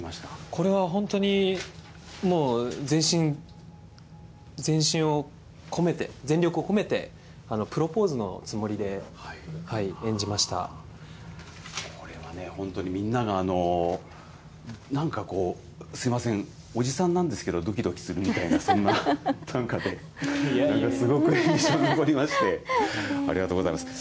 これは本当にもう、全身を込めて、全力を込めて、これはね、本当にみんなが、なんかこう、すみません、おじさんなんですけど、どきどきするみたいな、そんな短歌で、すごく印象に残りまして、ありがとうございます。